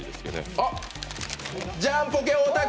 あっ、ジャンポケ・太田君！